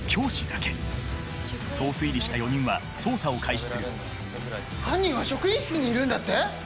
そう推理した４人は捜査を開始する犯人は職員室にいるんだって！？